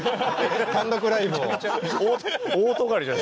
単独ライブを。